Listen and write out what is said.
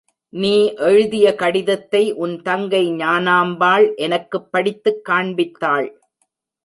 நீ எழுதிய கடிதத்தை உன் தங்கை ஞானாம்பாள் எனக்குப் படித்துக் காண்பித்தாள்.